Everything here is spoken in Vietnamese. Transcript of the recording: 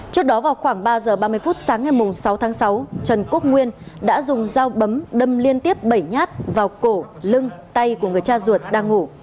trước đó vào khoảng ba giờ ba mươi phút sáng ngày sáu tháng sáu trần quốc nguyên đã dùng dao bấm đâm liên tiếp bảy nhát vào cổ lưng tay của người cha ruột đang ngủ